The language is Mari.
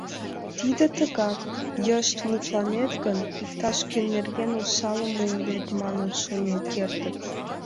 Тиде тыгак, йышт мутланет гын, иктаж-кӧн нерген осалым ойлет манын шонен кертыт.